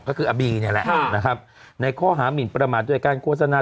ก็คืออาบีเนี่ยแหละนะครับในข้อหามินประมาทโดยการโฆษณา